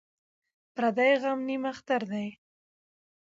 ـ پردى غم نيم اختر دى.